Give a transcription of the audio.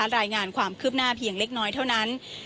รายงานความคืบหน้าเพียงเล็กน้อยเท่านั้น